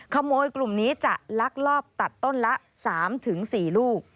กลุ่มนี้จะลักลอบตัดต้นละ๓๔ลูก